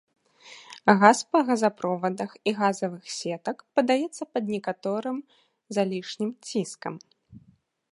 Газ па газаправодах і газавых сетак падаецца пад некаторым залішнім ціскам.